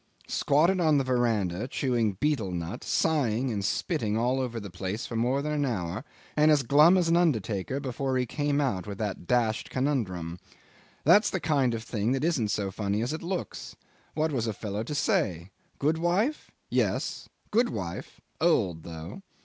Squatted on the verandah chewing betel nut, sighing and spitting all over the place for more than an hour, and as glum as an undertaker before he came out with that dashed conundrum. That's the kind of thing that isn't so funny as it looks. What was a fellow to say? Good wife? Yes. Good wife old though.